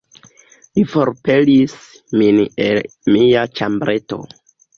Li forpelis min el mia ĉambreto...